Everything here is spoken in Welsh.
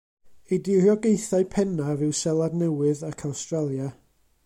Ei diriogaethau pennaf yw Seland Newydd ac Awstralia.